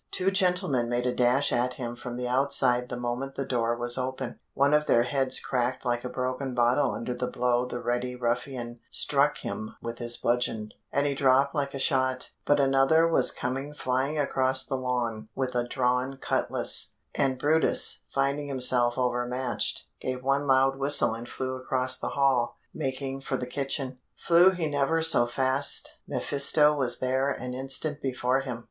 Two gentlemen made a dash at him from the outside the moment the door was open; one of their heads cracked like a broken bottle under the blow the ready ruffian struck him with his bludgeon, and he dropped like a shot; but another was coming flying across the lawn with a drawn cutlass, and brutus, finding himself overmatched, gave one loud whistle and flew across the hall, making for the kitchen. Flew he never so fast mephisto was there an instant before him.